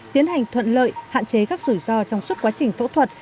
tiến hành thuận lợi hạn chế các rủi ro trong suốt quá trình phẫu thuật